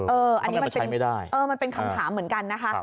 เออมันเป็นคำถามเหมือนกันนะคะ